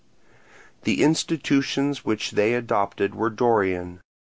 The institutions which they adopted were Dorian.